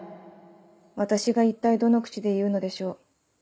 「私が一体どの口で言うのでしょう。